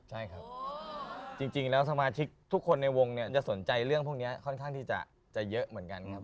ใช่ครับจริงแล้วสมาชิกทุกคนในวงเนี่ยจะสนใจเรื่องพวกนี้ค่อนข้างที่จะเยอะเหมือนกันครับ